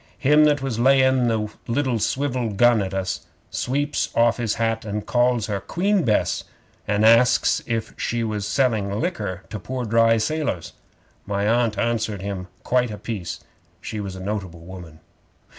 'Him that was laying the liddle swivel gun at us sweeps off his hat an' calls her Queen Bess, and asks if she was selling liquor to pore dry sailors. My Aunt answered him quite a piece. She was a notable woman.